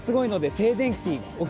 静電気。